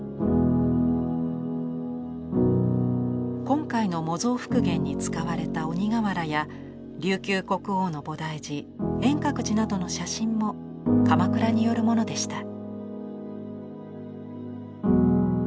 今回の模造復元に使われた鬼瓦や琉球国王の菩提寺円覚寺などの写真も鎌倉によるものでした。